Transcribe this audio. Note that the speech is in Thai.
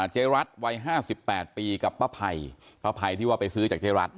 เจ๊รัฐวัย๕๘ปีกับป้าภัยป้าภัยที่ว่าไปซื้อจากเจ๊รัฐ